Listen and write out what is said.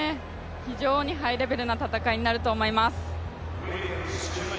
非常にハイレベルな戦いになると思います。